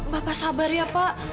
bapak sabar ya pak